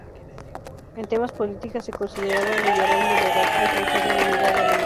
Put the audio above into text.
En temas políticas se consideraba liberal moderado y defensor de la unidad alemana.